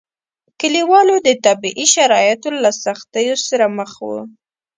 کلیوالو د طبیعي شرایطو له سختیو سره مخ وو.